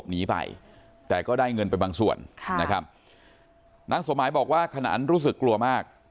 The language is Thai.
นางสมัยบอกว่าขนานรู้สึกกลัวมาก